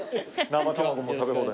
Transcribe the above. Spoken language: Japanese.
生卵も食べ放題。